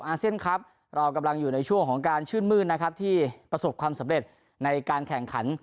อาเซียนครับเรากำลังอยู่ในช่วงของการชื่นมื้นนะครับที่ประสบความสำเร็จในการแข่งขัน